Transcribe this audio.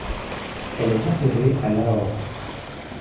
Elle est enterrée à Lahore.